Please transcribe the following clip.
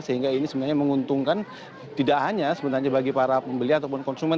sehingga ini sebenarnya menguntungkan tidak hanya sebenarnya bagi para pembeli ataupun konsumen